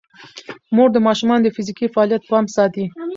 مور د ماشومانو د فزیکي فعالیت پام ساتي.